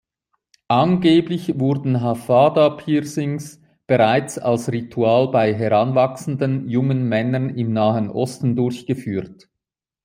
Angeblich wurden Hafada-Piercings bereits als Ritual bei heranwachsenden jungen Männern im Nahen Osten durchgeführt.